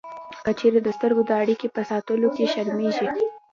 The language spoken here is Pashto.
که چېرې د سترګو د اړیکې په ساتلو کې شرمېږئ